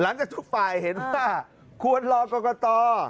จากทุกฝ่ายเห็นว่าควรรอกรกต